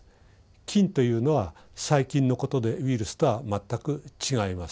菌というのは細菌のことでウイルスとは全く違います。